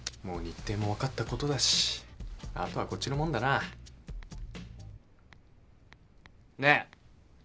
もう日程も分かったことだし後はこっちのもんだな。ねえ？